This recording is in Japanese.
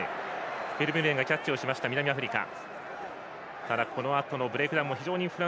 フェルミューレンがキャッチをした南アフリカ。